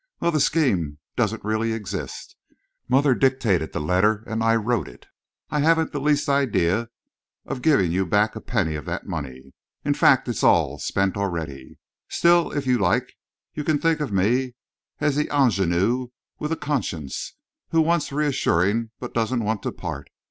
Well, the scheme doesn't really exist. My mother dictated the letter and I wrote it. I haven't the least idea of giving you back a penny of that money in fact, it's all spent already. Still, if you like, you can think of me as the ingénue with a conscience, who wants reassuring but doesn't want to part.